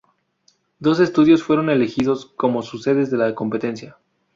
Dos estadios fueron elegidos como sedes de la competencia.